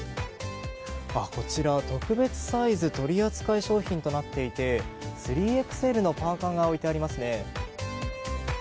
こちら特別サイズ取扱商品となっていて３ＸＬのパーカが置いてありますね。